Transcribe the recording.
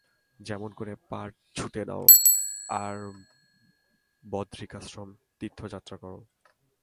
যেমন করে পার ছুটে নাও, আর বদরিকাশ্রম তীর্থযাত্রা কর।